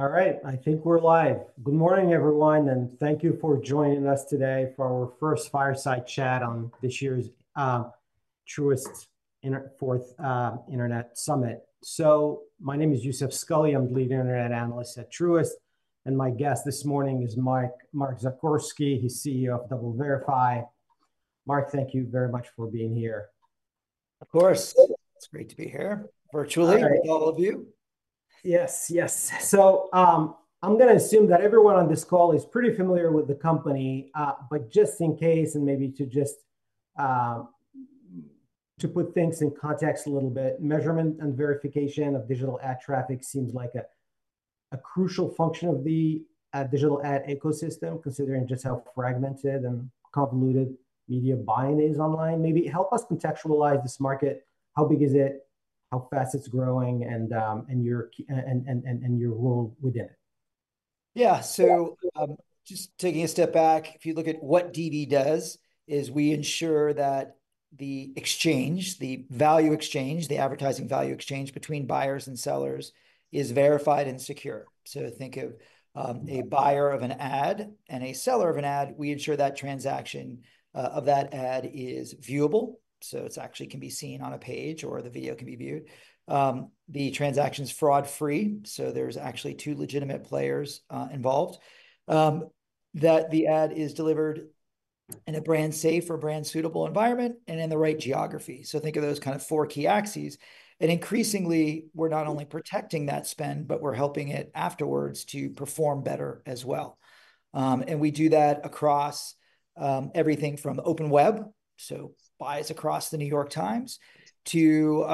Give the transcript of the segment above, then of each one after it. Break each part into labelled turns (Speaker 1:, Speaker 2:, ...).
Speaker 1: All right, I think we're live. Good morning, everyone, and thank you for joining us today for our first fireside chat on this year's Truist's Fourth Internet Summit, so my name is Youssef Squali. I'm the Lead Internet Analyst at Truist, and my guest this morning is Mark Zagorski. He's CEO of DoubleVerify. Mark, thank you very much for being here.
Speaker 2: Of course. It's great to be here virtually with all of you.
Speaker 1: Yes, yes. So I'm going to assume that everyone on this call is pretty familiar with the company. But just in case, and maybe to just put things in context a little bit, measurement and verification of digital ad traffic seems like a crucial function of the digital ad ecosystem, considering just how fragmented and convoluted media buying is online. Maybe help us contextualize this market. How big is it? How fast it's growing? And your role within it?
Speaker 2: Yeah, so just taking a step back, if you look at what DV does, is we ensure that the exchange, the value exchange, the advertising value exchange between buyers and sellers is verified and secure. So think of a buyer of an ad and a seller of an ad. We ensure that transaction of that ad is viewable. So it actually can be seen on a page or the video can be viewed. The transaction is fraud-free. So there's actually two legitimate players involved, that the ad is delivered in a brand-safe or brand-suitable environment and in the right geography. So think of those kind of four key axes. And increasingly, we're not only protecting that spend, but we're helping it afterwards to perform better as well. We do that across everything from the open web, so buys across The New York Times, to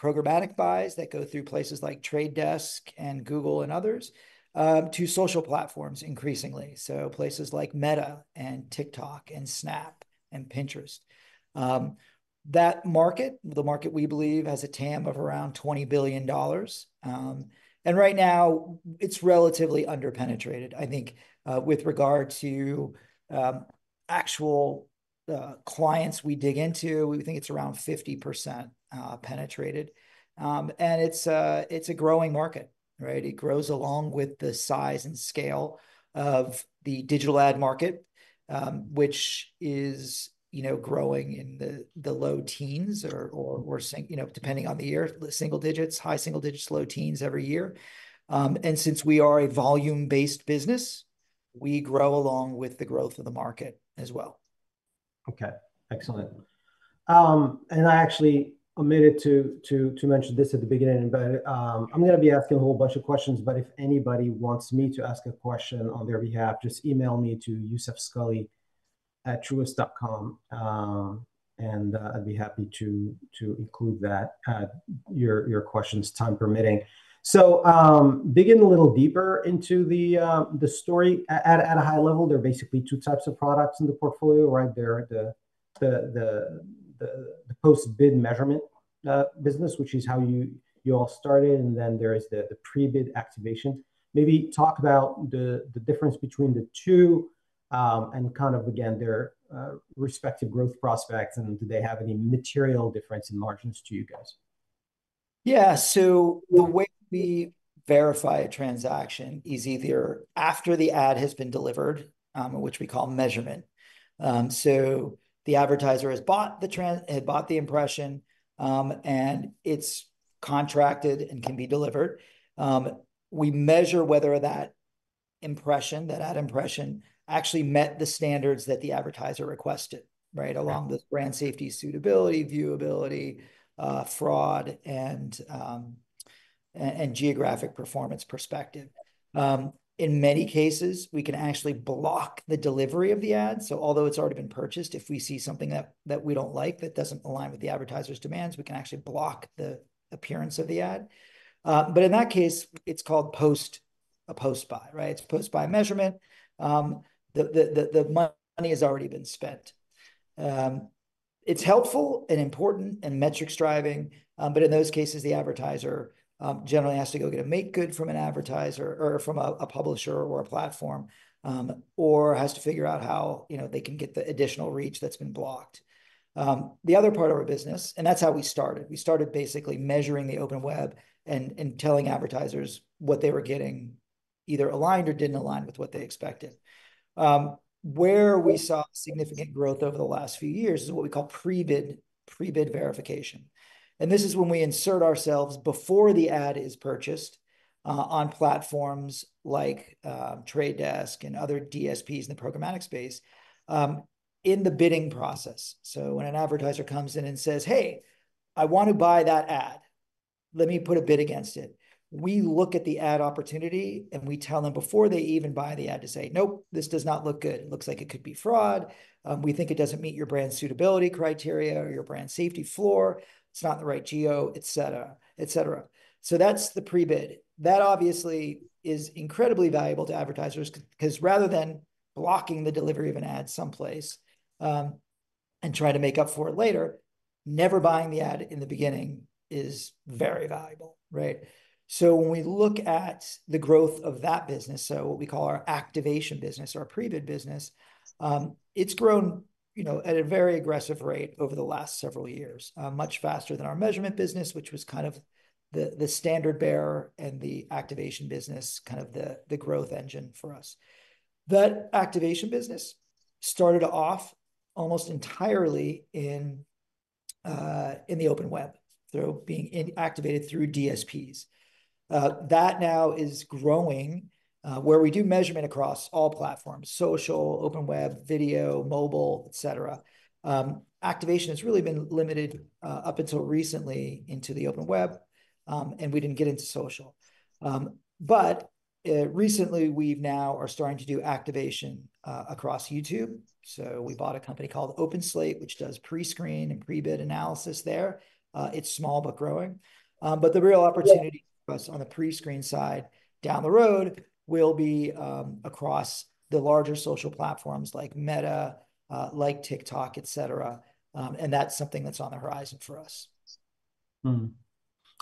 Speaker 2: programmatic buys that go through places like The Trade Desk and Google and others, to social platforms increasingly. Places like Meta and TikTok and Snap and Pinterest. That market, the market we believe, has a TAM of around $20 billion. Right now, it's relatively underpenetrated. I think with regard to actual clients we dig into, we think it's around 50% penetrated. It's a growing market, right? It grows along with the size and scale of the digital ad market, which is growing in the low teens or, depending on the year, single digits, high single digits, low teens every year. Since we are a volume-based business, we grow along with the growth of the market as well.
Speaker 1: Okay, excellent. I actually omitted to mention this at the beginning, but I'm going to be asking a whole bunch of questions. If anybody wants me to ask a question on their behalf, just email me at youssefsquali@truist.com. I'd be happy to include that, your questions, time permitting. Digging a little deeper into the story at a high level, there are basically two types of products in the portfolio, right? There are the post-bid measurement business, which is how you all started. Then there is the pre-bid activation. Maybe talk about the difference between the two and kind of, again, their respective growth prospects. Do they have any material difference in margins to you guys?
Speaker 2: Yeah, so the way we verify a transaction is either after the ad has been delivered, which we call measurement. So the advertiser has bought the impression, and it's contracted and can be delivered. We measure whether that impression, that ad impression, actually met the standards that the advertiser requested, right? Along with brand safety, suitability, viewability, fraud, and geographic performance perspective. In many cases, we can actually block the delivery of the ad. So although it's already been purchased, if we see something that we don't like that doesn't align with the advertiser's demands, we can actually block the appearance of the ad. But in that case, it's called post-buy, right? It's post-buy measurement. The money has already been spent. It's helpful and important and metrics driving. But in those cases, the advertiser generally has to go get a make-good from an advertiser or from a publisher or a platform, or has to figure out how they can get the additional reach that's been blocked. The other part of our business, and that's how we started. We started basically measuring the Open Web and telling advertisers what they were getting either aligned or didn't align with what they expected. Where we saw significant growth over the last few years is what we call pre-bid verification. And this is when we insert ourselves before the ad is purchased on platforms like The Trade Desk and other DSPs in the programmatic space in the bidding process. So when an advertiser comes in and says, "Hey, I want to buy that ad. Let me put a bid against it." We look at the ad opportunity and we tell them before they even buy the ad to say, "Nope, this does not look good. It looks like it could be fraud. We think it doesn't meet your brand suitability criteria or your brand safety floor. It's not the right geo," et cetera, et cetera. So that's the pre-bid. That obviously is incredibly valuable to advertisers because rather than blocking the delivery of an ad someplace and trying to make up for it later, never buying the ad in the beginning is very valuable, right? So when we look at the growth of that business, so what we call our activation business, our pre-bid business, it's grown at a very aggressive rate over the last several years, much faster than our measurement business, which was kind of the standard bearer and the activation business, kind of the growth engine for us. That activation business started off almost entirely in the open web through being activated through DSPs. That now is growing where we do measurement across all platforms: social, open web, video, mobile, et cetera. Activation has really been limited up until recently into the open web, and we didn't get into social. But recently, we now are starting to do activation across YouTube. So we bought a company called OpenSlate, which does pre-screen and pre-bid analysis there. It's small but growing. But the real opportunity for us on the pre-screen side down the road will be across the larger social platforms like Meta, like TikTok, et cetera. And that's something that's on the horizon for us.
Speaker 1: And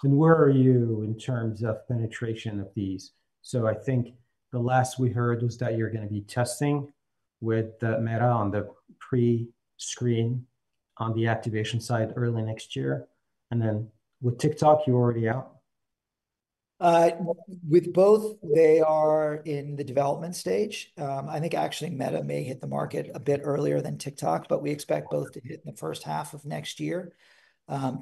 Speaker 1: where are you in terms of penetration of these? So I think the last we heard was that you're going to be testing with Meta on the pre-screen on the activation side early next year. And then with TikTok, you're already out?
Speaker 2: With both, they are in the development stage. I think actually Meta may hit the market a bit earlier than TikTok, but we expect both to hit in the H1 of next year.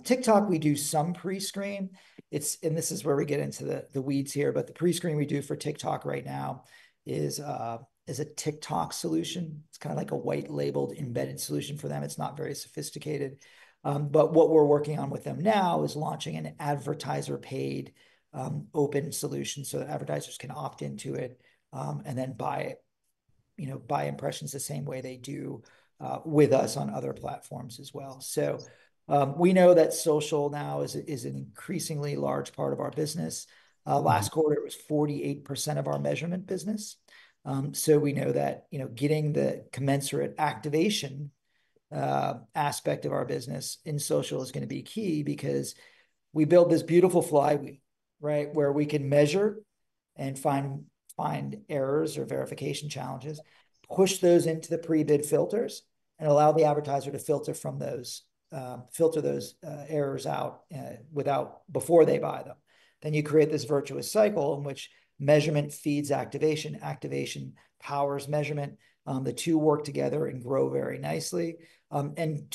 Speaker 2: TikTok, we do some pre-screen, and this is where we get into the weeds here, but the pre-screen we do for TikTok right now is a TikTok solution. It's kind of like a white-labeled embedded solution for them. It's not very sophisticated, but what we're working on with them now is launching an advertiser-paid open solution so that advertisers can opt into it and then buy impressions the same way they do with us on other platforms as well, so we know that social now is an increasingly large part of our business. Last quarter, it was 48% of our measurement business. So we know that getting the commensurate activation aspect of our business in social is going to be key because we build this beautiful flywheel, right, where we can measure and find errors or verification challenges, push those into the pre-bid filters, and allow the advertiser to filter those errors out before they buy them. Then you create this virtuous cycle in which measurement feeds activation, activation powers measurement. The two work together and grow very nicely. And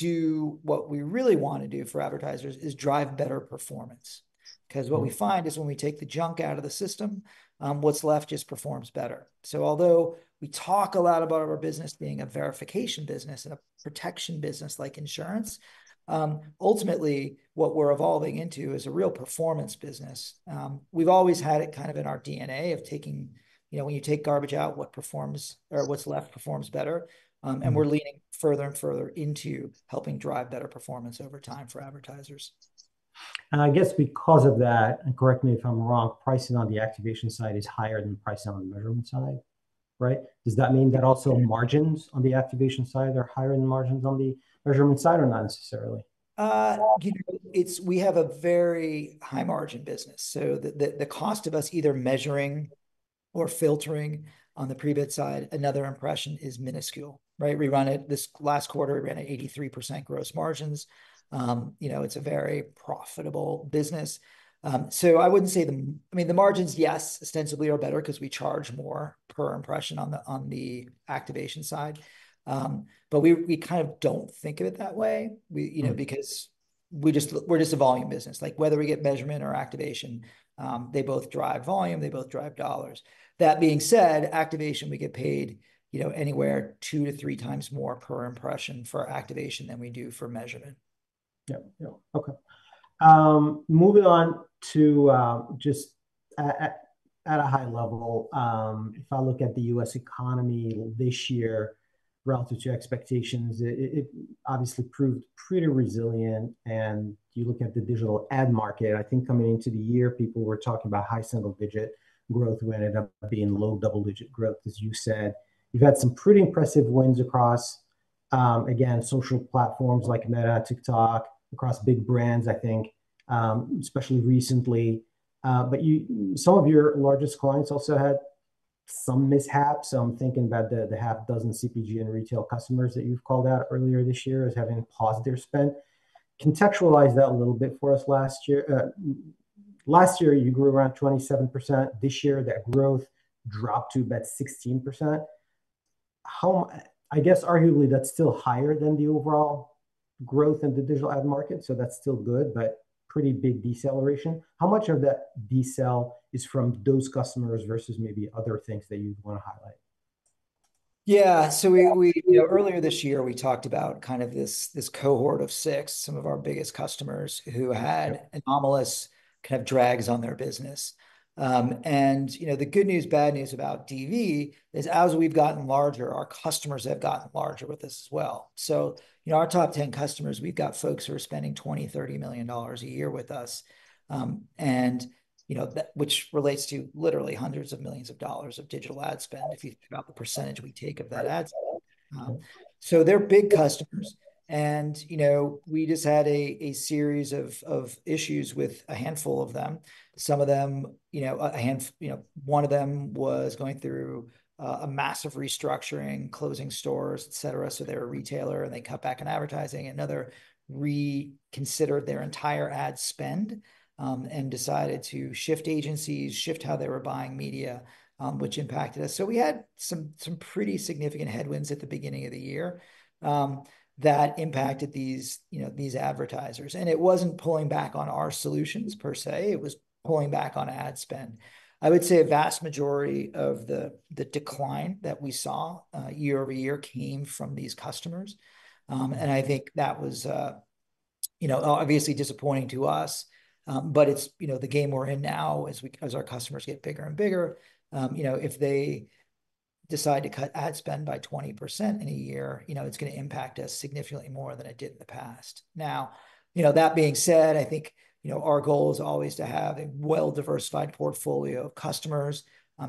Speaker 2: what we really want to do for advertisers is drive better performance. Because what we find is when we take the junk out of the system, what's left just performs better. So although we talk a lot about our business being a verification business and a protection business like insurance, ultimately what we're evolving into is a real performance business. We've always had it kind of in our DNA of taking when you take garbage out, what's left performs better, and we're leaning further and further into helping drive better performance over time for advertisers.
Speaker 1: I guess because of that, and correct me if I'm wrong, pricing on the activation side is higher than the pricing on the measurement side, right? Does that mean that also margins on the activation side are higher than margins on the measurement side or not necessarily?
Speaker 2: We have a very high margin business. So the cost of us either measuring or filtering on the pre-bid side, another impression is minuscule, right? We run it this last quarter, we ran at 83% gross margins. It's a very profitable business. So I wouldn't say the, I mean, the margins, yes, ostensibly are better because we charge more per impression on the activation side. But we kind of don't think of it that way because we're just a volume business. Like whether we get measurement or activation, they both drive volume, they both drive dollars. That being said, activation, we get paid anywhere two to three times more per impression for activation than we do for measurement.
Speaker 1: Yeah, yeah. Okay. Moving on to just at a high level, if I look at the U.S. economy this year relative to expectations, it obviously proved pretty resilient, and you look at the digital ad market, I think coming into the year, people were talking about high single digit growth. We ended up being low double digit growth, as you said. You've had some pretty impressive wins across, again, social platforms like Meta, TikTok, across big brands, I think, especially recently, but some of your largest clients also had some mishaps. I'm thinking about the half dozen CPG and retail customers that you've called out earlier this year as having positive spend. Contextualize that a little bit for us. Last year, you grew around 27%. This year, that growth dropped to about 16%. I guess arguably that's still higher than the overall growth in the digital ad market. So that's still good, but pretty big deceleration. How much of that decel is from those customers versus maybe other things that you'd want to highlight?
Speaker 2: Yeah. So earlier this year, we talked about kind of this cohort of six, some of our biggest customers who had anomalous kind of drags on their business. And the good news, bad news about DV is as we've gotten larger, our customers have gotten larger with this as well. So our top 10 customers, we've got folks who are spending $20-$30 million a year with us, which relates to literally hundreds of millions of dollars of digital ad spend if you think about the percentage we take of that ad spend. So they're big customers. And we just had a series of issues with a handful of them. Some of them, one of them was going through a massive restructuring, closing stores, et cetera. So they're a retailer and they cut back on advertising. Another reconsidered their entire ad spend and decided to shift agencies, shift how they were buying media, which impacted us, so we had some pretty significant headwinds at the beginning of the year that impacted these advertisers, and it wasn't pulling back on our solutions per se. It was pulling back on ad spend. I would say a vast majority of the decline that we saw year-over-year came from these customers, and I think that was obviously disappointing to us, but it's the game we're in now as our customers get bigger and bigger. If they decide to cut ad spend by 20% in a year, it's going to impact us significantly more than it did in the past. Now, that being said, I think our goal is always to have a well-diversified portfolio of customers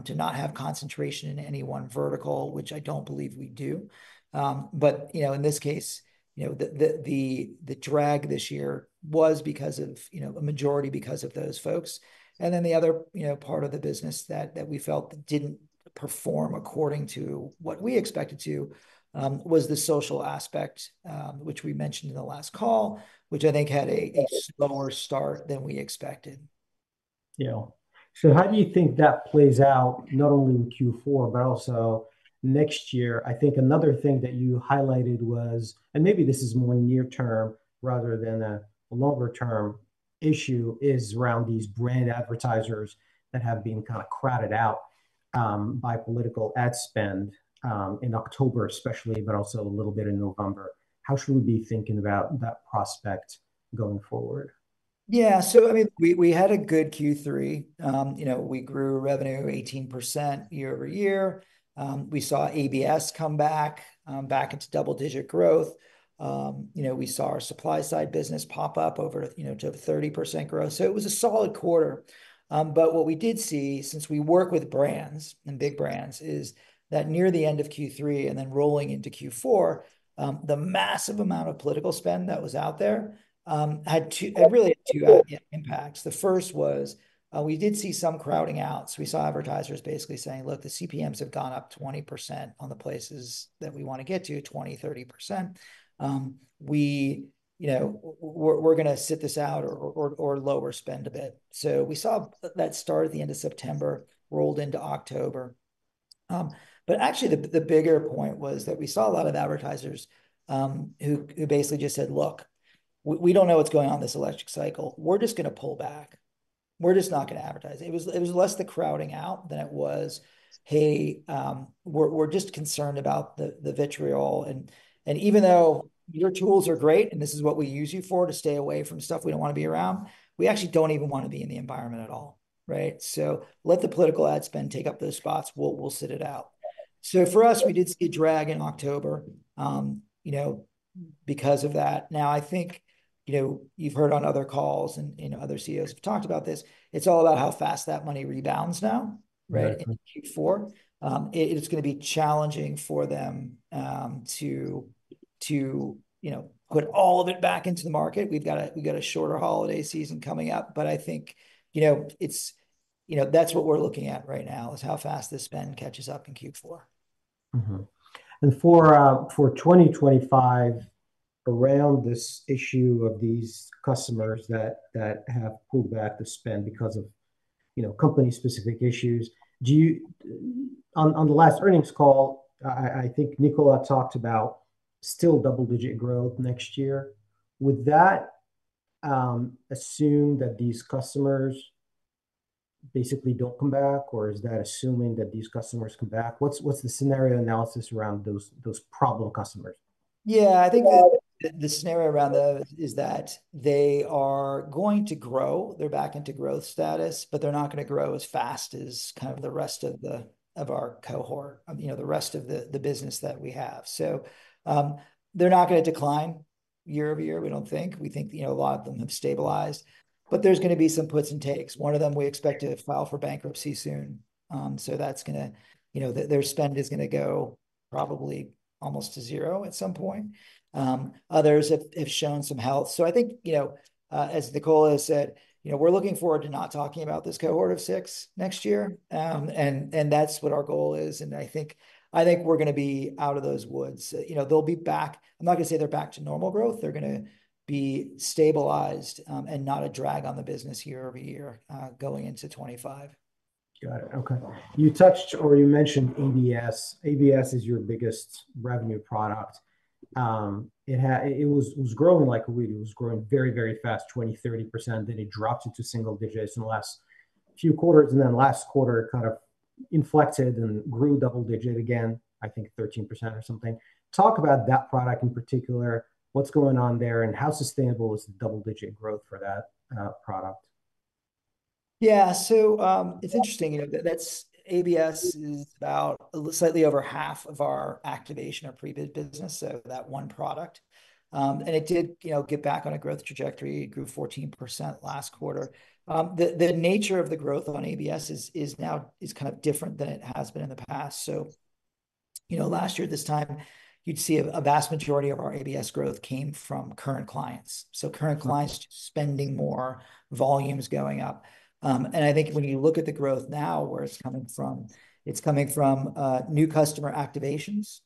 Speaker 2: to not have concentration in any one vertical, which I don't believe we do. But in this case, the drag this year was because of a majority because of those folks. And then the other part of the business that we felt didn't perform according to what we expected to was the social aspect, which we mentioned in the last call, which I think had a slower start than we expected.
Speaker 1: Yeah. So how do you think that plays out not only in Q4, but also next year? I think another thing that you highlighted was, and maybe this is more near-term rather than a longer-term issue, is around these brand advertisers that have been kind of crowded out by political ad spend in October especially, but also a little bit in November. How should we be thinking about that prospect going forward?
Speaker 2: Yeah. So I mean, we had a good Q3. We grew revenue 18% year-over-year. We saw ABS come back, back into double-digit growth. We saw our supply-side business pop up over to 30% growth. So it was a solid quarter. But what we did see since we work with brands and big brands is that near the end of Q3 and then rolling into Q4, the massive amount of political spend that was out there had really two impacts. The first was we did see some crowding out. So we saw advertisers basically saying, "Look, the CPMs have gone up 20% on the places that we want to get to, 20%-30%. We're going to sit this out or lower spend a bit." So we saw that start at the end of September, rolled into October. But actually the bigger point was that we saw a lot of advertisers who basically just said, "Look, we don't know what's going on this election cycle. We're just going to pull back. We're just not going to advertise." It was less the crowding out than it was, "Hey, we're just concerned about the vitriol." And even though your tools are great and this is what we use you for to stay away from stuff we don't want to be around, we actually don't even want to be in the environment at all, right? So let the political ad spend take up those spots. We'll sit it out. So for us, we did see a drag in October because of that. Now, I think you've heard on other calls and other CEOs have talked about this. It's all about how fast that money rebounds now, right? In Q4, it's going to be challenging for them to put all of it back into the market. We've got a shorter holiday season coming up. But I think that's what we're looking at right now is how fast this spend catches up in Q4.
Speaker 1: And for 2025, around this issue of these customers that have pulled back the spend because of company-specific issues, on the last earnings call, I think Nicola talked about still double-digit growth next year. Would that assume that these customers basically don't come back, or is that assuming that these customers come back? What's the scenario analysis around those problem customers?
Speaker 2: Yeah. I think the scenario around that is that they are going to grow. They're back into growth status, but they're not going to grow as fast as kind of the rest of our cohort, the rest of the business that we have. So they're not going to decline year-over-year, we don't think. We think a lot of them have stabilized. But there's going to be some puts and takes. One of them, we expect to file for bankruptcy soon. So that's going to, their spend is going to go probably almost to zero at some point. Others have shown some health. So I think, as Nicola has said, we're looking forward to not talking about this cohort of six next year. And that's what our goal is. And I think we're going to be out of those woods. They'll be back. I'm not going to say they're back to normal growth. They're going to be stabilized and not a drag on the business year-over-year going into 2025.
Speaker 1: Got it. Okay. You touched or you mentioned ABS. ABS is your biggest revenue product. It was growing like a weed. It was growing very, very fast, 20%-30%. Then it dropped into single digits in the last few quarters, and then last quarter kind of inflected and grew double-digit again, I think 13% or something. Talk about that product in particular. What's going on there and how sustainable is the double-digit growth for that product?
Speaker 2: Yeah. So it's interesting. ABS is about slightly over half of our activation or pre-bid business, so that one product. And it did get back on a growth trajectory. It grew 14% last quarter. The nature of the growth on ABS is now kind of different than it has been in the past. So last year, at this time, you'd see a vast majority of our ABS growth came from current clients. So current clients spending more volumes going up. And I think when you look at the growth now, where it's coming from, it's coming from new customer activations.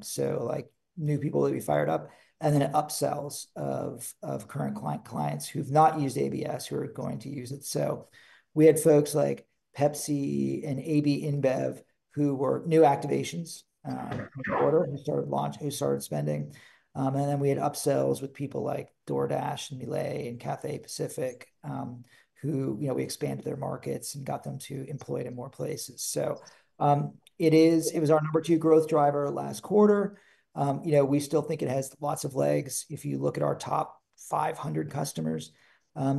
Speaker 2: So new people that we fired up and then upsells of current clients who've not used ABS who are going to use it. So we had folks like Pepsi and AB InBev who were new activations in the quarter who started spending. And then we had upsells with people like DoorDash and Miele and Cathay Pacific who we expanded their markets and got them to employ it in more places. So it was our number two growth driver last quarter. We still think it has lots of legs. If you look at our top 500 customers,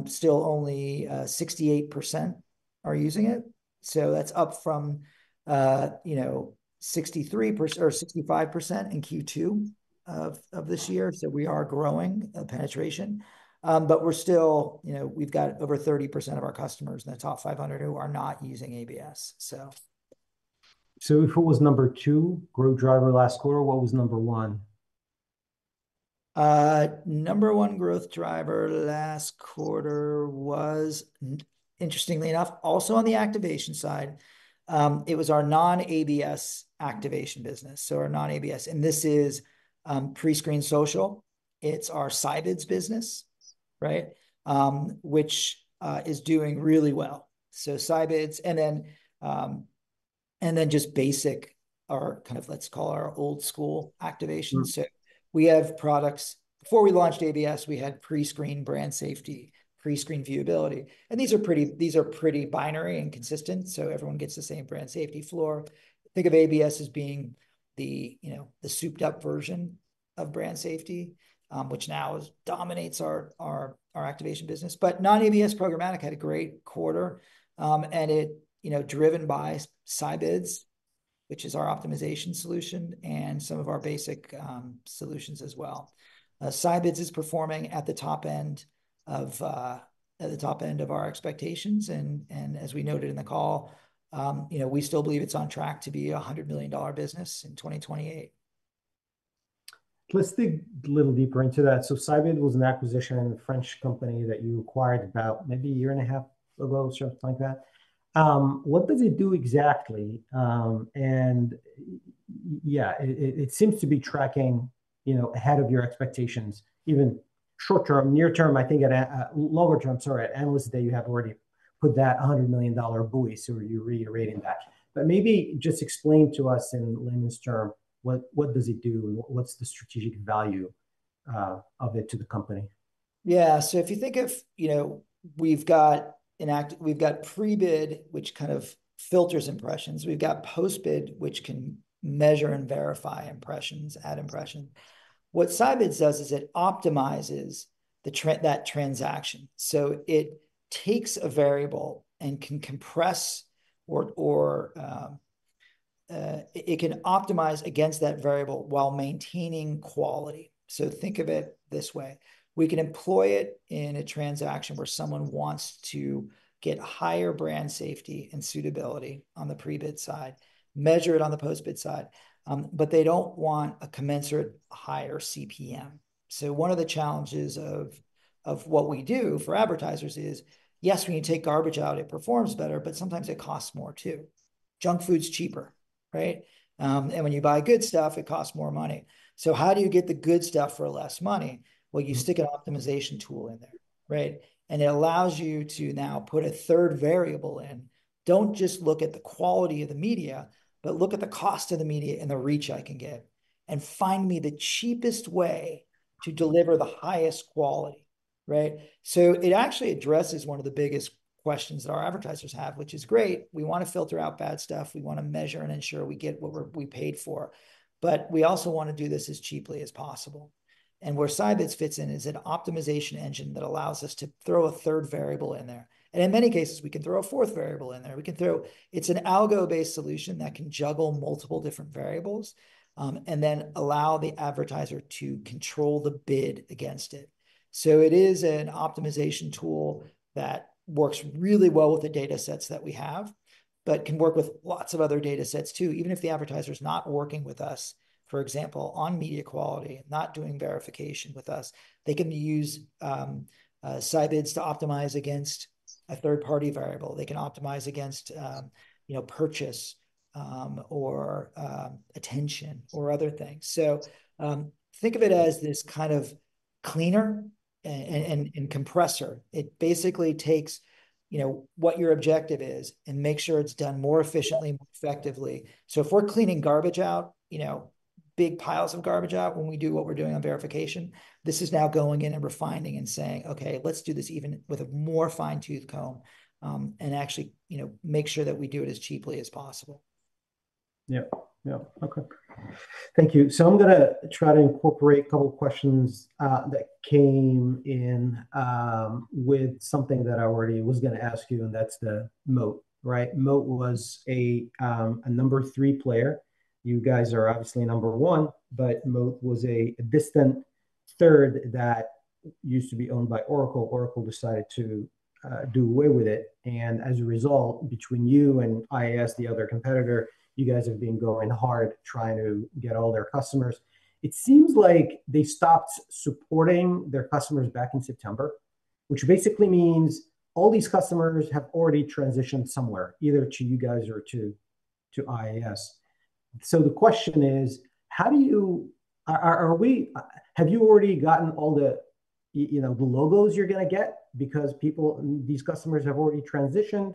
Speaker 2: still only 68% are using it. So that's up from 63% or 65% in Q2 of this year. So we are growing penetration. But we're still, we've got over 30% of our customers in the top 500 who are not using ABS, so.
Speaker 1: So if it was number two growth driver last quarter, what was number one?
Speaker 2: Number one growth driver last quarter was, interestingly enough, also on the activation side. It was our non-ABS activation business, so our non-ABS, and this is pre-screen social. It's our Scibids business, right, which is doing really well, so Scibids and then just basic, or kind of let's call our old school activation, so we have products. Before we launched ABS, we had pre-screen brand safety, pre-screen viewability, and these are pretty binary and consistent, so everyone gets the same brand safety floor. Think of ABS as being the souped-up version of brand safety, which now dominates our activation business, but non-ABS programmatic had a great quarter, and it's driven by Scibids, which is our optimization solution and some of our basic solutions as well. Scibids is performing at the top end of our expectations. As we noted in the call, we still believe it's on track to be a $100 million business in 2028.
Speaker 1: Let's dig a little deeper into that. So Scibids was an acquisition in a French company that you acquired about maybe a year and a half ago, something like that. What does it do exactly? And yeah, it seems to be tracking ahead of your expectations, even short term, near term, I think at a longer term, sorry, at Investor Day, you have already put that $100 million buy. So you're reiterating that. But maybe just explain to us in layman's terms, what does it do and what's the strategic value of it to the company?
Speaker 2: Yeah. So if you think of, we've got pre-bid, which kind of filters impressions. We've got post-bid, which can measure and verify impressions, ad impressions. What Scibids does is it optimizes that transaction. So it takes a variable and can compress, or it can optimize against that variable while maintaining quality. So think of it this way. We can employ it in a transaction where someone wants to get higher brand safety and suitability on the pre-bid side, measure it on the post-bid side, but they don't want a commensurate higher CPM. So one of the challenges of what we do for advertisers is, yes, when you take garbage out, it performs better, but sometimes it costs more too. Junk food's cheaper, right? And when you buy good stuff, it costs more money. So how do you get the good stuff for less money? You stick an optimization tool in there, right? And it allows you to now put a third variable in. Don't just look at the quality of the media, but look at the cost of the media and the reach I can get and find me the cheapest way to deliver the highest quality, right? So it actually addresses one of the biggest questions that our advertisers have, which is great. We want to filter out bad stuff. We want to measure and ensure we get what we paid for. But we also want to do this as cheaply as possible. And where Scibids fits in is an optimization engine that allows us to throw a third variable in there. And in many cases, we can throw a fourth variable in there. It's an algo-based solution that can juggle multiple different variables and then allow the advertiser to control the bid against it. So it is an optimization tool that works really well with the data sets that we have, but can work with lots of other data sets too. Even if the advertiser is not working with us, for example, on media quality, not doing verification with us, they can use Scibids to optimize against a third-party variable. They can optimize against purchase or attention or other things. So think of it as this kind of cleaner and compressor. It basically takes what your objective is and makes sure it's done more efficiently, more effectively. If we're cleaning garbage out, big piles of garbage out when we do what we're doing on verification, this is now going in and refining and saying, "Okay, let's do this even with a more fine-tooth comb and actually make sure that we do it as cheaply as possible.
Speaker 1: Yep. Yep. Okay. Thank you. So I'm going to try to incorporate a couple of questions that came in with something that I already was going to ask you, and that's the Moat, right? Moat was a number three player. You guys are obviously number one, but Moat was a distant third that used to be owned by Oracle. Oracle decided to do away with it. And as a result, between you and IAS, the other competitor, you guys have been going hard trying to get all their customers. It seems like they stopped supporting their customers back in September, which basically means all these customers have already transitioned somewhere, either to you guys or to IAS. So the question is, have you already gotten all the logos you're going to get because these customers have already transitioned?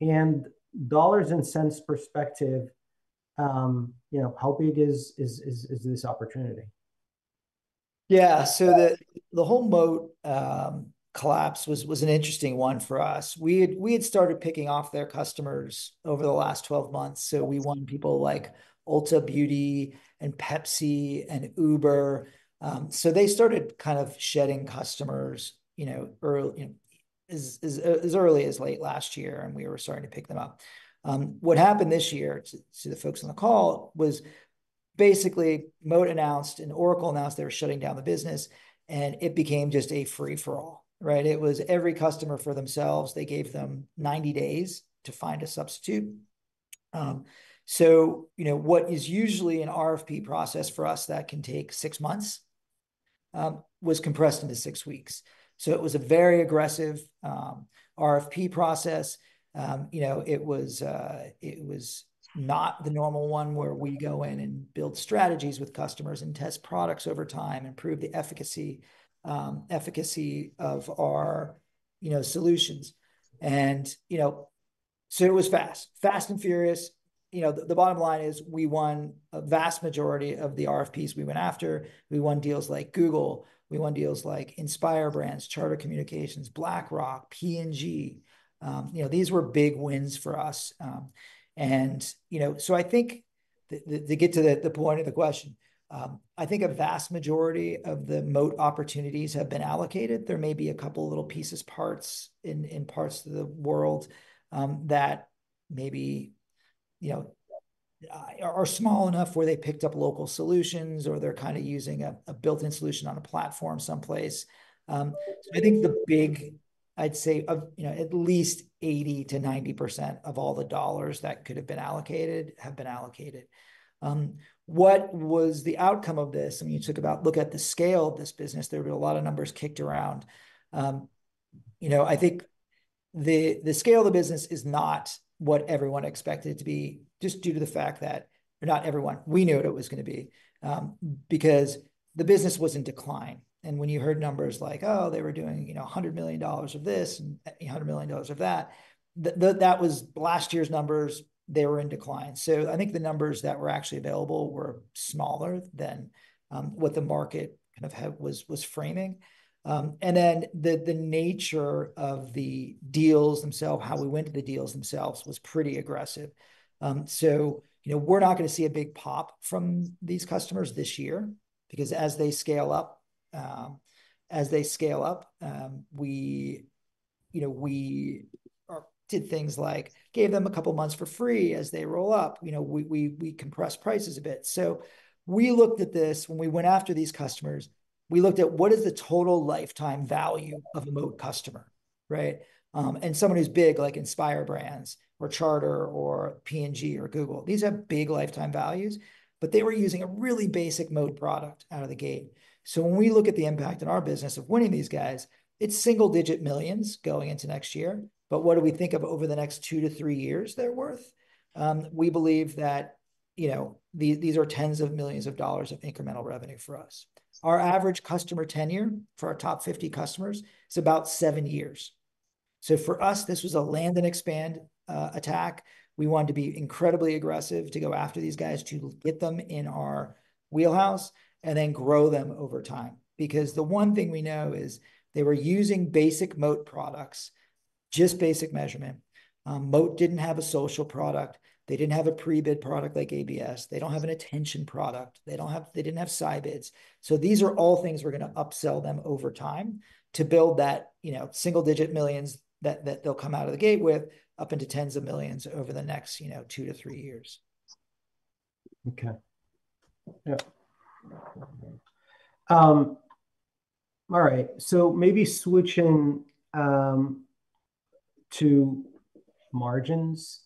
Speaker 1: And dollars and cents perspective, how big is this opportunity?
Speaker 2: Yeah. So the whole Moat collapse was an interesting one for us. We had started picking off their customers over the last 12 months. So we won people like Ulta Beauty and Pepsi and Uber. So they started kind of shedding customers as early as late last year, and we were starting to pick them up. What happened this year to the folks on the call was basically Moat announced and Oracle announced they were shutting down the business, and it became just a free-for-all, right? It was every customer for themselves. They gave them 90 days to find a substitute. So what is usually an RFP process for us that can take six months was compressed into six weeks. So it was a very aggressive RFP process. It was not the normal one where we go in and build strategies with customers and test products over time and improve the efficacy of our solutions. And so it was fast, fast and furious. The bottom line is we won a vast majority of the RFPs we went after. We won deals like Google. We won deals like Inspire Brands, Charter Communications, BlackRock, P&G. These were big wins for us. And so I think to get to the point of the question, I think a vast majority of the Moat opportunities have been allocated. There may be a couple of little pieces, parts in parts of the world that maybe are small enough where they picked up local solutions or they're kind of using a built-in solution on a platform someplace. I think the big, I'd say at least 80%-90% of all the dollars that could have been allocated have been allocated. What was the outcome of this? When you took a look at the scale of this business, there were a lot of numbers kicked around. I think the scale of the business is not what everyone expected it to be just due to the fact that not everyone, we knew what it was going to be because the business was in decline. And when you heard numbers like, "Oh, they were doing $100 million of this and $100 million of that," that was last year's numbers. They were in decline. So I think the numbers that were actually available were smaller than what the market kind of was framing. And then the nature of the deals themselves, how we went to the deals themselves was pretty aggressive. So we're not going to see a big pop from these customers this year because as they scale up, as they scale up, we did things like gave them a couple of months for free as they roll up. We compressed prices a bit. So we looked at this when we went after these customers. We looked at what is the total lifetime value of a Moat customer, right? And someone who's big like Inspire Brands or Charter or P&G or Google, these have big lifetime values, but they were using a really basic Moat product out of the gate. So when we look at the impact on our business of winning these guys, it's single-digit millions going into next year. But what do we think of over the next two to three years they're worth? We believe that these are tens of millions of dollars of incremental revenue for us. Our average customer tenure for our top 50 customers is about seven years. So for us, this was a land and expand attack. We wanted to be incredibly aggressive to go after these guys to get them in our wheelhouse and then grow them over time because the one thing we know is they were using basic Moat products, just basic measurement. Moat didn't have a social product. They didn't have a pre-bid product like ABS. They don't have an attention product. They didn't have Scibids. So these are all things we're going to upsell them over time to build that single-digit millions that they'll come out of the gate with up into tens of millions over the next two to three years.
Speaker 1: Okay. Yep. All right. So maybe switching to margins.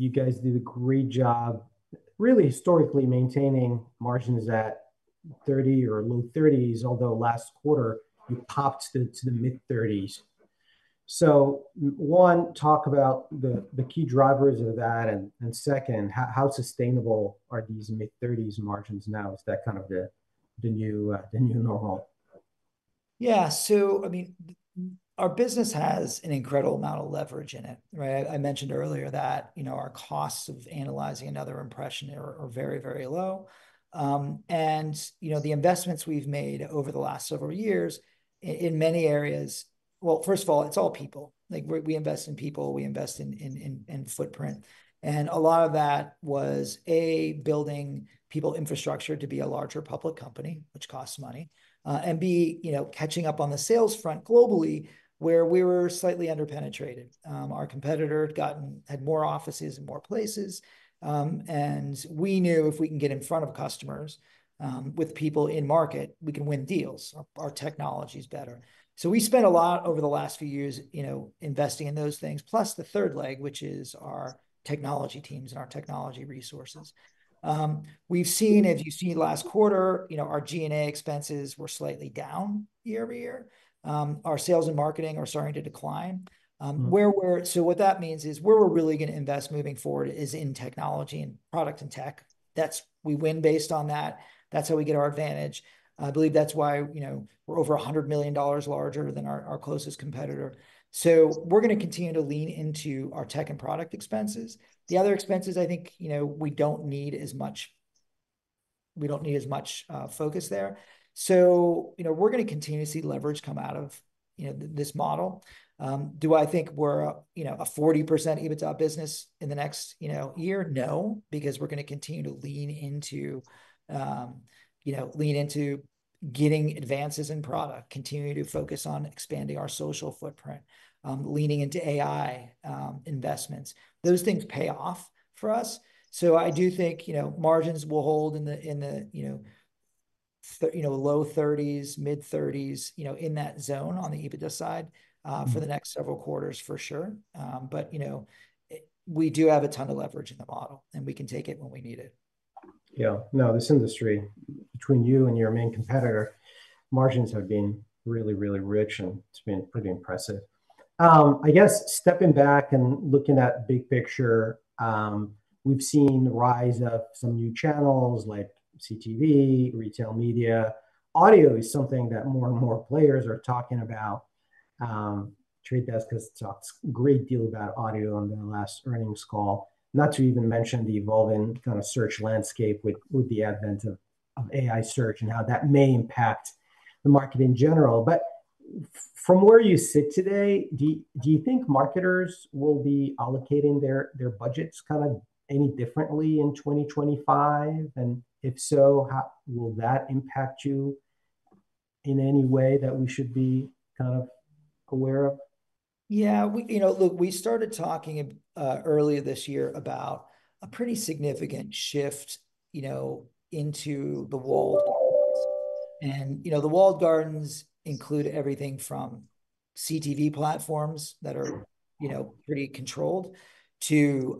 Speaker 1: You guys did a great job, really historically maintaining margins at 30 or low 30s, although last quarter, you popped to the mid-30s. So one, talk about the key drivers of that. And second, how sustainable are these mid-30s margins now? Is that kind of the new normal?
Speaker 2: Yeah. So I mean, our business has an incredible amount of leverage in it, right? I mentioned earlier that our costs of analyzing another impression are very, very low. And the investments we've made over the last several years in many areas, well, first of all, it's all people. We invest in people. We invest in footprint. And a lot of that was, A, building people infrastructure to be a larger public company, which costs money, and B, catching up on the sales front globally where we were slightly underpenetrated. Our competitor had more offices and more places. And we knew if we can get in front of customers with people in market, we can win deals. Our technology is better. So we spent a lot over the last few years investing in those things, plus the third leg, which is our technology teams and our technology resources. We've seen, as you've seen last quarter, our G&A expenses were slightly down year-over-year. Our sales and marketing are starting to decline. So what that means is where we're really going to invest moving forward is in technology and product and tech. We win based on that. That's how we get our advantage. I believe that's why we're over $100 million larger than our closest competitor. So we're going to continue to lean into our tech and product expenses. The other expenses, I think we don't need as much. We don't need as much focus there. So we're going to continue to see leverage come out of this model. Do I think we're a 40% EBITDA business in the next year? No, because we're going to continue to lean into getting advances in product, continue to focus on expanding our social footprint, leaning into AI investments. Those things pay off for us. So I do think margins will hold in the low 30s, mid-30s in that zone on the EBITDA side for the next several quarters for sure. But we do have a ton of leverage in the model, and we can take it when we need it.
Speaker 1: Yeah. No, this industry, between you and your main competitor, margins have been really, really rich, and it's been pretty impressive. I guess stepping back and looking at big picture, we've seen the rise of some new channels like CTV, retail media. Audio is something that more and more players are talking about. Trade Desk has talked a great deal about audio on their last earnings call, not to even mention the evolving kind of search landscape with the advent of AI search and how that may impact the market in general. But from where you sit today, do you think marketers will be allocating their budgets kind of any differently in 2025? And if so, will that impact you in any way that we should be kind of aware of?
Speaker 2: Yeah. Look, we started talking earlier this year about a pretty significant shift into the walled gardens, and the walled gardens include everything from CTV platforms that are pretty controlled to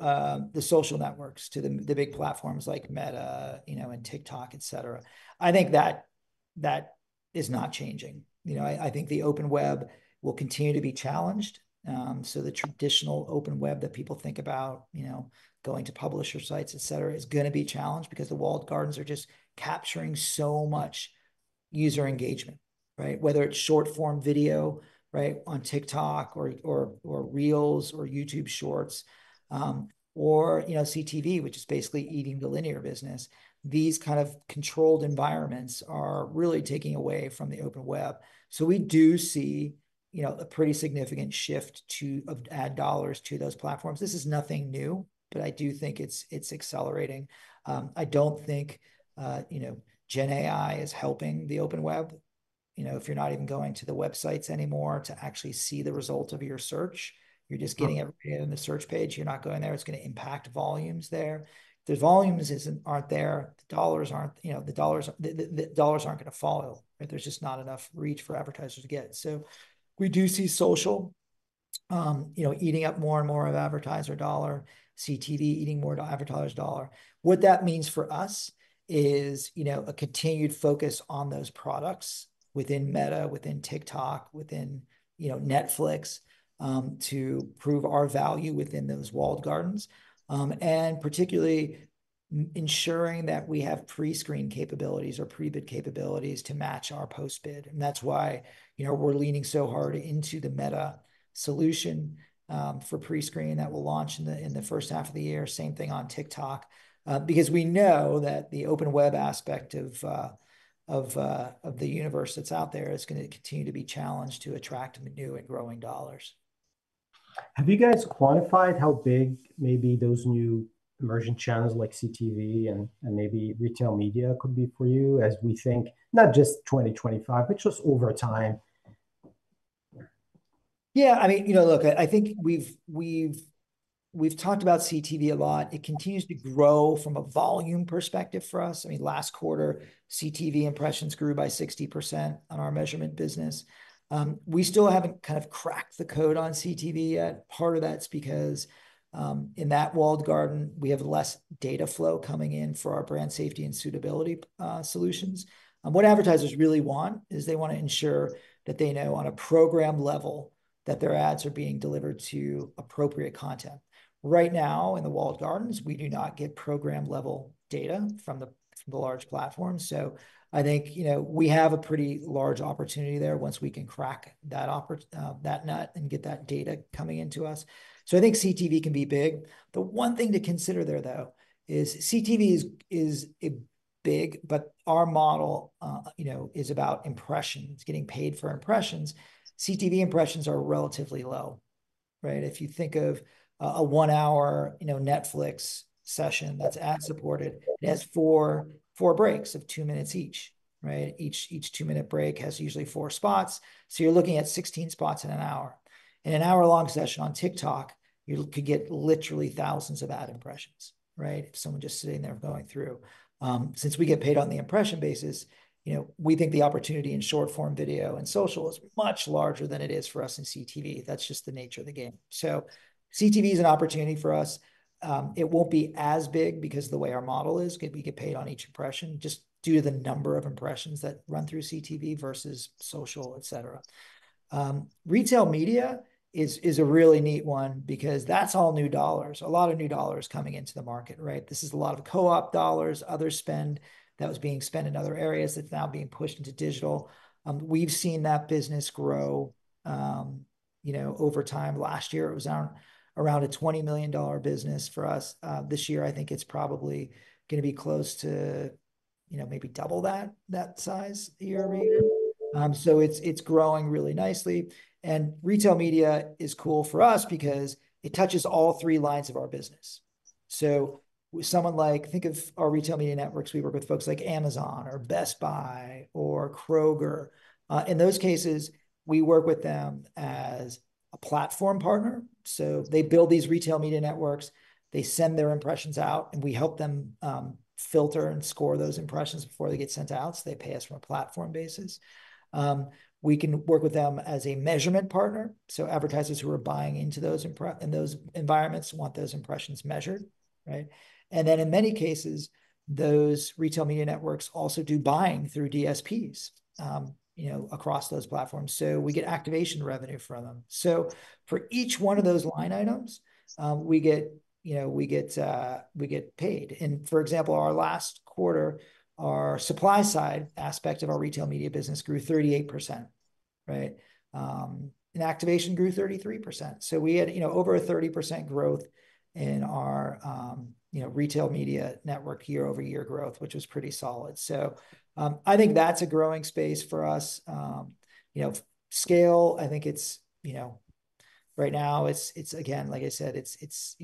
Speaker 2: the social networks to the big platforms like Meta and TikTok, etc. I think that is not changing. I think the open web will continue to be challenged, so the traditional open web that people think about going to publisher sites, etc., is going to be challenged because the walled gardens are just capturing so much user engagement, right? Whether it's short-form video, right, on TikTok or Reels or YouTube Shorts or CTV, which is basically eating the linear business, these kind of controlled environments are really taking away from the open web, so we do see a pretty significant shift to ad dollars to those platforms. This is nothing new, but I do think it's accelerating. I don't think GenAI is helping the Open Web. If you're not even going to the websites anymore to actually see the result of your search, you're just getting everything in the search page. You're not going there. It's going to impact volumes there. The volumes aren't there. The dollars aren't going to follow. There's just not enough reach for advertisers to get. So we do see social eating up more and more of advertiser dollar, CTV eating more advertiser dollar. What that means for us is a continued focus on those products within Meta, within TikTok, within Netflix to prove our value within those walled gardens, and particularly ensuring that we have pre-screen capabilities or pre-bid capabilities to match our post-bid. And that's why we're leaning so hard into the Meta solution for pre-screen that we'll launch in the H1 of the year, same thing on TikTok, because we know that the open web aspect of the universe that's out there is going to continue to be challenged to attract new and growing dollars.
Speaker 1: Have you guys quantified how big maybe those new emerging channels like CTV and maybe retail media could be for you as we think not just 2025, but just over time?
Speaker 2: Yeah. I mean, look, I think we've talked about CTV a lot. It continues to grow from a volume perspective for us. I mean, last quarter, CTV impressions grew by 60% on our measurement business. We still haven't kind of cracked the code on CTV yet. Part of that's because in that walled garden, we have less data flow coming in for our brand safety and suitability solutions. What advertisers really want is they want to ensure that they know on a program level that their ads are being delivered to appropriate content. Right now, in the walled gardens, we do not get program-level data from the large platforms. So I think we have a pretty large opportunity there once we can crack that nut and get that data coming into us. So I think CTV can be big. The one thing to consider there, though, is CTV is big, but our model is about impressions. It's getting paid for impressions. CTV impressions are relatively low, right? If you think of a one-hour Netflix session that's ad-supported, it has four breaks of two minutes each, right? Each two-minute break has usually four spots. So you're looking at 16 spots in an hour. In an hour-long session on TikTok, you could get literally thousands of ad impressions, right? If someone just sitting there going through. Since we get paid on the impression basis, we think the opportunity in short-form video and social is much larger than it is for us in CTV. That's just the nature of the game. So CTV is an opportunity for us. It won't be as big because of the way our model is. We get paid on each impression just due to the number of impressions that run through CTV versus social, etc. Retail media is a really neat one because that's all new dollars, a lot of new dollars coming into the market, right? This is a lot of co-op dollars, other spend that was being spent in other areas that's now being pushed into digital. We've seen that business grow over time. Last year, it was around a $20 million business for us. This year, I think it's probably going to be close to maybe double that size year-over-year. So it's growing really nicely. And retail media is cool for us because it touches all three lines of our business. So someone like, think of our retail media networks. We work with folks like Amazon or Best Buy or Kroger. In those cases, we work with them as a platform partner. So they build these retail media networks. They send their impressions out, and we help them filter and score those impressions before they get sent out. So they pay us from a platform basis. We can work with them as a measurement partner. So advertisers who are buying into those environments want those impressions measured, right? And then in many cases, those retail media networks also do buying through DSPs across those platforms. So we get activation revenue from them. So for each one of those line items, we get paid. And for example, our last quarter, our supply side aspect of our retail media business grew 38%, right? And activation grew 33%. So we had over a 30% growth in our retail media network year-over-year growth, which was pretty solid. I think that's a growing space for us. Scale, I think right now, it's, again, like I said, it's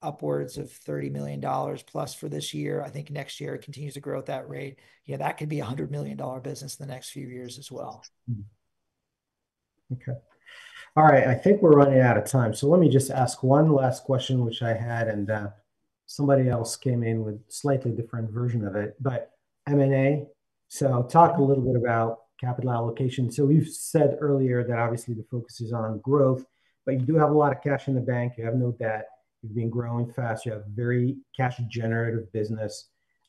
Speaker 2: upwards of $30 million plus for this year. I think next year it continues to grow at that rate. That could be a $100 million business in the next few years as well.
Speaker 1: Okay. All right. I think we're running out of time. So let me just ask one last question, which I had, and somebody else came in with a slightly different version of it, but M&A. So talk a little bit about capital allocation. So you said earlier that obviously the focus is on growth, but you do have a lot of cash in the bank. You have no debt. You've been growing fast. You have a very cash-generative business.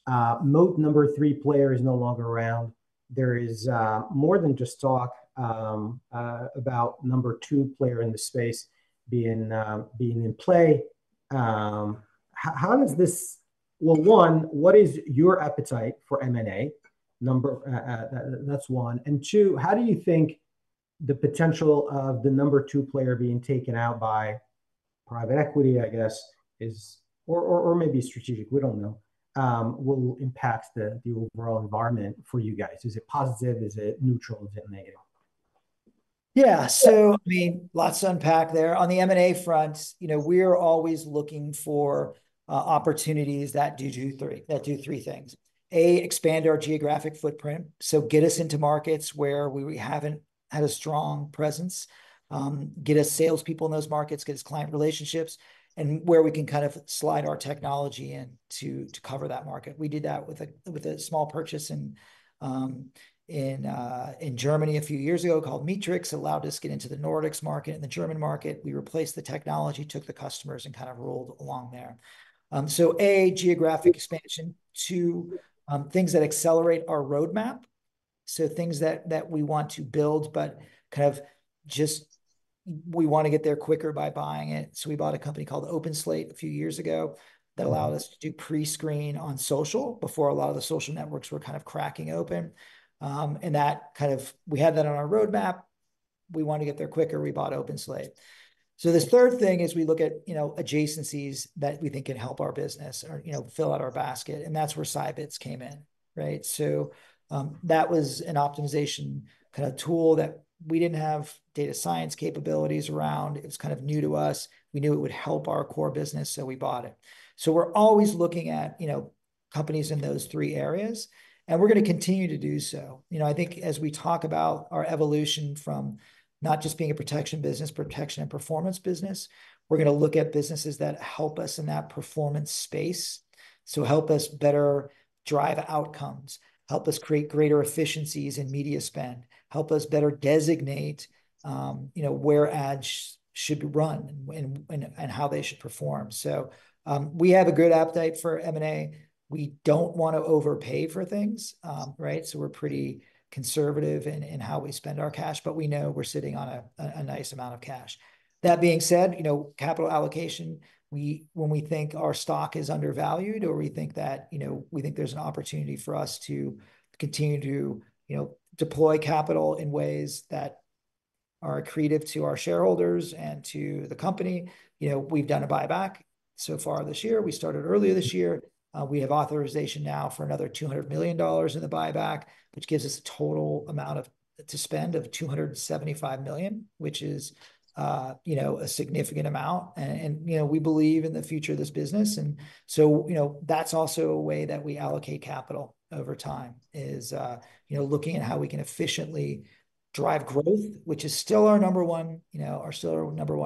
Speaker 1: Moat, number three player, is no longer around. There is more than just talk about number two player in the space being in play. How does this? Well, one, what is your appetite for M&A? That's one. Two, how do you think the potential of the number two player being taken out by private equity, I guess, or maybe strategic, we don't know, will impact the overall environment for you guys? Is it positive? Is it neutral? Is it negative?
Speaker 2: Yeah. So I mean, lots to unpack there. On the M&A front, we're always looking for opportunities that do three things. A, expand our geographic footprint. So get us into markets where we haven't had a strong presence. Get us salespeople in those markets, get us client relationships, and where we can kind of slide our technology in to cover that market. We did that with a small purchase in Germany a few years ago called Meetrics that allowed us to get into the Nordics market and the German market. We replaced the technology, took the customers, and kind of rolled along there. So A, geographic expansion. Two, things that accelerate our roadmap. So things that we want to build, but kind of just we want to get there quicker by buying it. So we bought a company called OpenSlate a few years ago that allowed us to do pre-screen on social before a lot of the social networks were kind of cracking open. And that kind of we had that on our roadmap. We wanted to get there quicker. We bought OpenSlate. So the third thing is we look at adjacencies that we think can help our business or fill out our basket. And that's where Scibids came in, right? So that was an optimization kind of tool that we didn't have data science capabilities around. It was kind of new to us. We knew it would help our core business, so we bought it. So we're always looking at companies in those three areas, and we're going to continue to do so. I think as we talk about our evolution from not just being a protection business, protection and performance business, we're going to look at businesses that help us in that performance space. So help us better drive outcomes, help us create greater efficiencies in media spend, help us better designate where ads should be run and how they should perform. So we have a good appetite for M&A. We don't want to overpay for things, right? So we're pretty conservative in how we spend our cash, but we know we're sitting on a nice amount of cash. That being said, capital allocation, when we think our stock is undervalued or we think there's an opportunity for us to continue to deploy capital in ways that are accretive to our shareholders and to the company, we've done a buyback so far this year. We started earlier this year. We have authorization now for another $200 million in the buyback, which gives us a total amount to spend of $275 million, which is a significant amount, and we believe in the future of this business. And so that's also a way that we allocate capital over time: looking at how we can efficiently drive growth, which is still our number one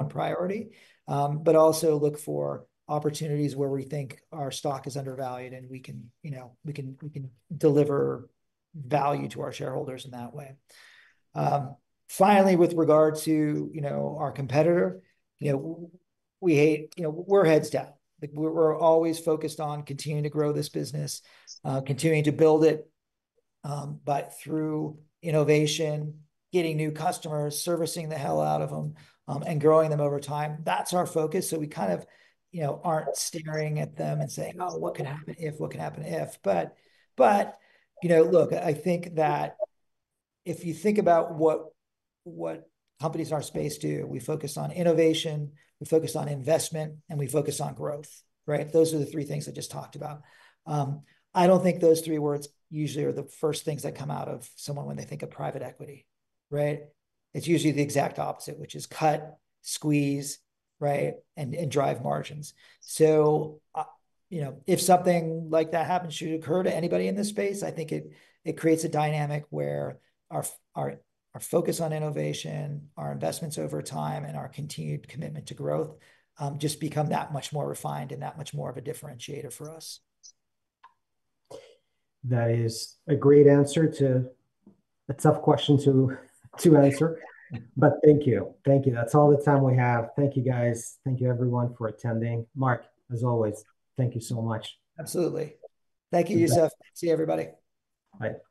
Speaker 2: priority, but also look for opportunities where we think our stock is undervalued and we can deliver value to our shareholders in that way. Finally, with regard to our competitor, we're heads down. We're always focused on continuing to grow this business, continuing to build it through innovation, getting new customers, servicing the hell out of them, and growing them over time. That's our focus. So we kind of aren't staring at them and saying, "Oh, what could happen if, what could happen if." But look, I think that if you think about what companies in our space do, we focus on innovation, we focus on investment, and we focus on growth, right? Those are the three things I just talked about. I don't think those three words usually are the first things that come out of someone when they think of private equity, right? It's usually the exact opposite, which is cut, squeeze, right, and drive margins. So if something like that happens, should occur to anybody in this space, I think it creates a dynamic where our focus on innovation, our investments over time, and our continued commitment to growth just become that much more refined and that much more of a differentiator for us.
Speaker 1: That is a great answer to a tough question to answer. But thank you. Thank you. That's all the time we have. Thank you, guys. Thank you, everyone, for attending. Mark, as always, thank you so much.
Speaker 2: Absolutely. Thank you, Youssef. See you, everybody.
Speaker 1: Bye.